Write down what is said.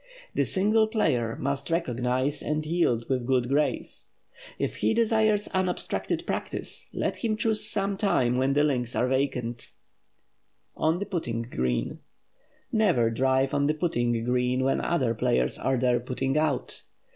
The "single player" must recognize and yield with good grace. If he desires unobstructed practise, let him choose some time when the links are vacant. [Sidenote: ON THE PUTTING GREEN] Never drive on the "putting green" when other players are there "putting out."